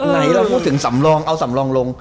หรือจุดถึงสำรองเอาสำรองลง